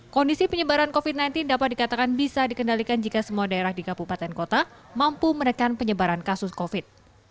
kondisi penyebaran covid sembilan belas dapat dikatakan bisa dikendalikan jika semua daerah di kabupaten kota mampu menekan penyebaran kasus covid